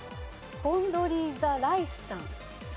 コンドリーザ・ライスさん。